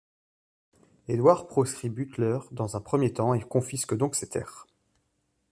Édouard proscrit Butler dans un premier temps et confisque donc ses terres.